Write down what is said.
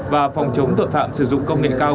và phòng chống tội phạm sử dụng công nghệ cao